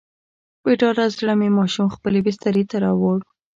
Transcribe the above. په ډاډه زړه مې ماشوم خپلې بسترې ته راووړ.